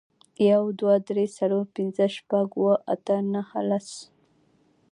یو, دوه, درې, څلور, پنځه, شپږ, اووه, اته, نه, لس